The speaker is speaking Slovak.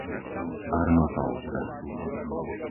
Arnutovce